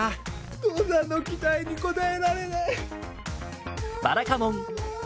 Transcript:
父さんの期待に応えられない。